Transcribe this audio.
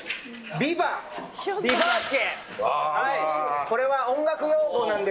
ビバーチェ！